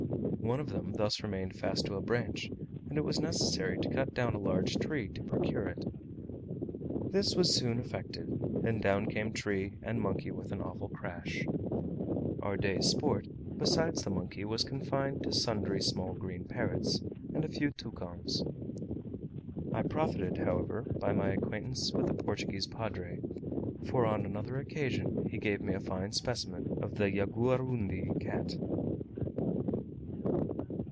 One of them thus remained fast to a branch, and it was necessary to cut down a large tree to procure it. This was soon effected, and down came tree and monkey with an awful crash. Our day's sport, besides the monkey, was confined to sundry small green parrots and a few toucans. I profited, however, by my acquaintance with the Portuguese padre, for on another occasion he gave me a fine specimen of the Yagouaroundi cat.